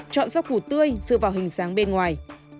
chọn rau củ tươi dựa vào hình dáng bên ngoài